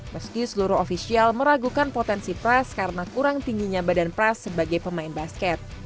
meski seluruh ofisial meragukan potensi pras karena kurang tingginya badan pras sebagai pemain basket